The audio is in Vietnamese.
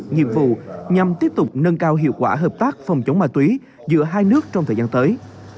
nhiệm vụ nhằm tiếp tục nâng cao hiệu quả hợp tác phòng chống ma túy giữa hai nước trong thời gian tới